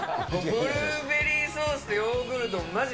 ブルーベリーソースとヨーグルト、まじ